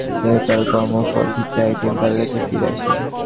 কিন্তু তার কর্মফল ঠিকই একদিন তার কাছে ফিরে আসে।